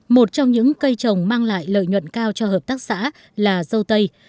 một trong những cây trồng mang lại lợi nhuận cao cho hợp tác xã là dâu tây